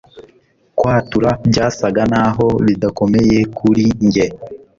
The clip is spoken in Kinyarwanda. Kwatura byasaga naho bidakomeye kuri njye